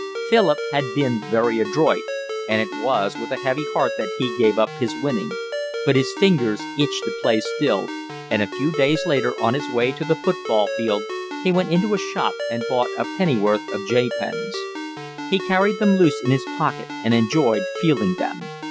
Philip had been very adroit, and it was with a heavy heart that he gave up his winning; but his fingers itched to play still, and a few days later, on his way to the football field, he went into a shop and bought a pennyworth of J pens. He carried them loose in his pocket and enjoyed feeling them.